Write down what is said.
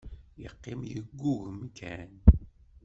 Yeqqim yeggugem kan.